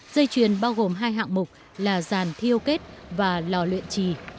dây chuyền bao gồm hai hạng mục là dàn thiêu kết và lò luyện trì